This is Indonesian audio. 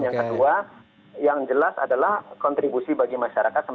yang kedua yang jelas adalah kontribusi bagi masyarakat